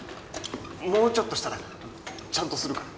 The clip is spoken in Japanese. もうちょっとしたらちゃんとするから。